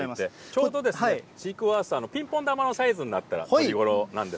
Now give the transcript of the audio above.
ちょうど、シークワーサーのピンポン玉のサイズになったら取りごろなんです